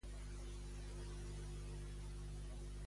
De quin centenni data?